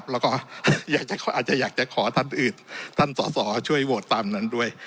แล้วก็อาจจะอยากจะขอท่านอื่นท่านสอสอช่วยโหวตตามนั้นด้วย